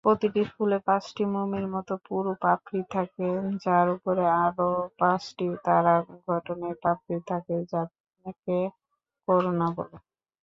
প্রতিটি ফুলে পাঁচটি মোমের মত পুরু পাপড়ি থাকে যার উপরে আরও পাঁচটি তারা গঠনের পাপড়ি থাকে যাকে করোনা বলে।